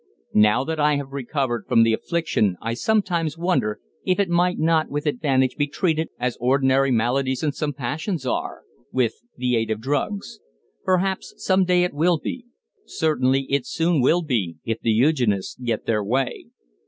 Now that I have recovered from the affliction I sometimes wonder if it might not with advantage be treated as ordinary maladies and some passions are with the aid of drugs. Perhaps some day it will be. Certainly it soon will be if the eugenists get their way.